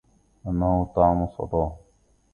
إنه طعم صلاهْ